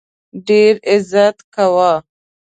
ډېر عزت کاوه.